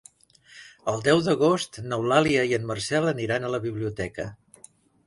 El deu d'agost n'Eulàlia i en Marcel aniran a la biblioteca.